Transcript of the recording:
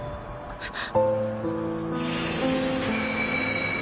あっ。